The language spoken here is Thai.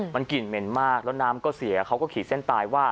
มันกลิ่นเหม็นมากแล้วน้ำก็เสียเขาก็ขีดเส้นตายว่า